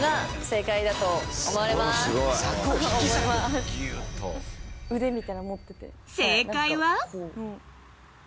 ［正解は］